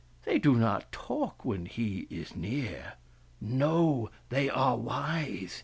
They do not talk when he is near." " No, they are wise.